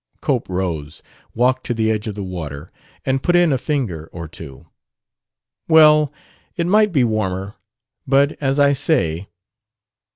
Cope rose, walked to the edge of the water, and put in a finger or two. "Well, it might be warmer; but, as I say...."